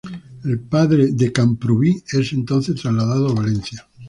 El padre de Camprubí es entonces trasladado a Valencia.